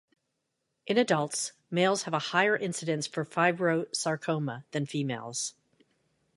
In adults, males have a higher incidence for fibrosarcoma than females.